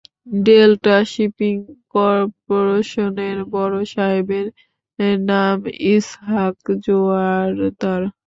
Delta shipping করপোরেশনের বড়সাহেবের নাম ইসহাক জোয়ারদার।